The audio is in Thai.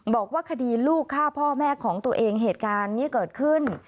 บอกว่าคดีลูกฆ่าพ่อแม่ของตัวเองเหตุการณ์นี้เกิดขึ้น